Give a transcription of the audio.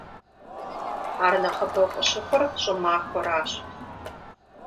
Ар нэхъыбэу къыщыхъур щӀымахуэращ.